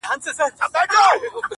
اوس مو خاندي غلیمان پر شړۍ ورو ورو؛